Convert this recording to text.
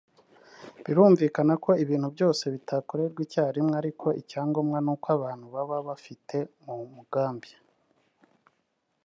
Birumvikana ko ibintu byose bitakorerwa icya rimwe ariko icyangombwa ni uko abantu baba babifite mu mugambi”